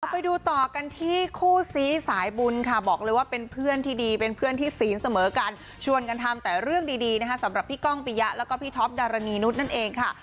ไปดูต่อกันที่คู่ซี้สายบุญค่ะบอกเลยว่าเป็นเพื่อนที่ดีเป็นเพื่อนที่ศีลเสมอกันชวนกันทำแต่เรื่องดีนะคะสำหรับพี่ก้องปียะแล้วก็พี่ท็อปดารณีนุษย์นั่นเองค่ะ